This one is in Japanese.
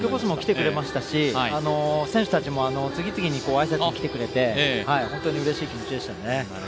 ＢＩＧＢＯＳＳも来てくれましたし選手たちも次々に挨拶に来てくれて本当にうれしい気持ちでしたね。